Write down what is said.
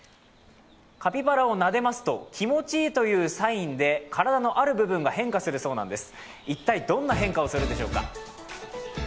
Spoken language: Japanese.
カピバラをなでますと気持ちいいというサインで体のある部分が変化をするそうです。